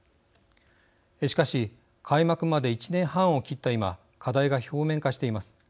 しかし、開幕まで１年半を切った今課題が表面化しています。